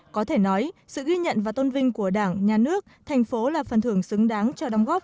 có thể nói sự ghi nhận và tôn vinh của đảng nhà nước thành phố là phần thưởng xứng đáng cho đóng góp